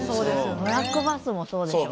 ブラックバスもそうでしょ？